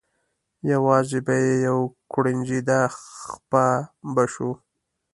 یوازې به یې یو کوړنجېده خپه به شو.